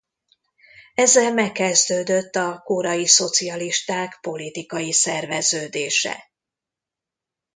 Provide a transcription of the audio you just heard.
Ezzel megkezdődött a korai szocialisták politikai szerveződése.